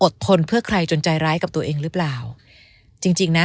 ทนเพื่อใครจนใจร้ายกับตัวเองหรือเปล่าจริงจริงนะ